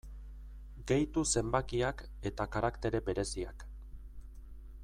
Gehitu zenbakiak eta karaktere bereziak.